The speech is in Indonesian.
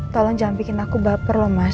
tolong jangan bikin aku baper loh mas